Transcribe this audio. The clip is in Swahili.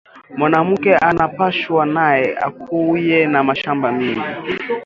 Mwanamuke ana pashwa naye akuye na mashamba mingi